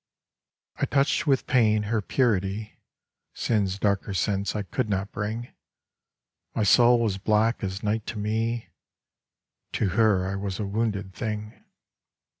I touched with pain her purity ; Sin's darker sense I could not bring : My soul was black as night to me ; To her I was a wounded thing.